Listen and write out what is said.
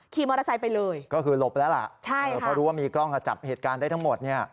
ขี่มอเตอร์ไซค์ไปเลยก็คือหลบแล้วล่ะใช่เออเพราะรู้ว่ามีกล้องอ่ะจับเหตุการณ์ได้ทั้งหมดเนี่ย